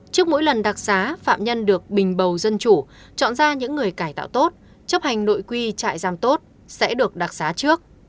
trước mỗi lần đặc xá phạm nhân được bình bầu dân chủ chọn ra những người cải tạo tốt chấp hành nội quy trại giam tốt sẽ được đặc xá trước